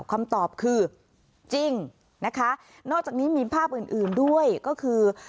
คำตอบคือจริงนะคะนอกจากนี้มีภาพอื่นอื่นด้วยก็คือ